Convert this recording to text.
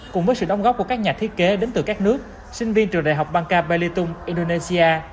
cùng với sự đóng góp của các nhà thiết kế đến từ các nước sinh viên trường đại học bangka bellitung indonesia